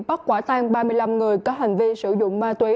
bắt quả tan ba mươi năm người có hành vi sử dụng ma túy